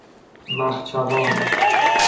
مخچوان